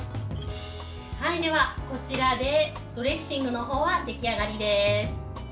では、こちらでドレッシングのほうは出来上がりです。